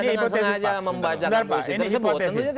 tidak dengan sengaja membaca tentang puisi tersebut